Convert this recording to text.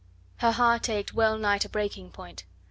Her heart ached well nigh to breaking point.